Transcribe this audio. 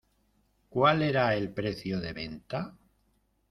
¿Cuál era el precio de venta?